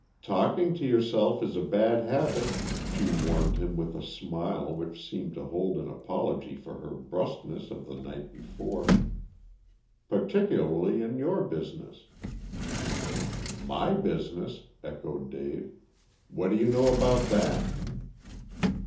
"Talking to yourself is a bad habit," she warned him with a smile which seemed to hold an apology for her brusqueness of the night before, "particularly in your business." "My business?" echoed Dave. "What do you know about that?"